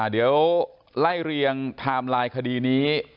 เดี๋ยวไล่เรียงไทม์ไลน์คดีนี้